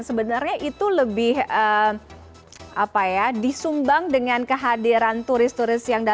sebenarnya itu lebih disumbang dengan kehadiran turis turis yang jauh